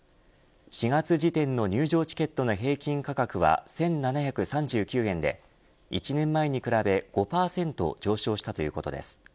４月時点の入場チケットの平均価格は１７３９円で１年前に比べ５％上昇したということです。